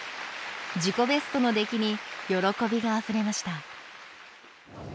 自己ベストの出来に喜びがあふれました。